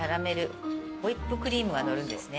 ホイップクリームがのるんですね。